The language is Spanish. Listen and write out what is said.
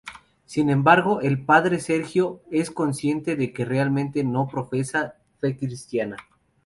Sin embargo, el padre Sergio es consciente de que realmente no profesa fe cristiana.